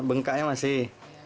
cuma bengkaknya masih